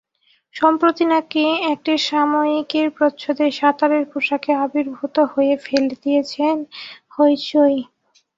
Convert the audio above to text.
সম্প্রতি নাকি একটি সাময়িকীর প্রচ্ছদে সাঁতারের পোশাকে আবির্ভূত হয়ে ফেলে দিয়েছেন হইচই।